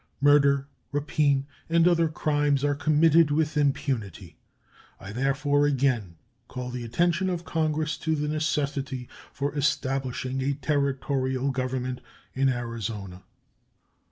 Murder, rapine, and other crimes are committed with impunity. I therefore again call the attention of Congress to the necessity for establishing a Territorial government over Arizona.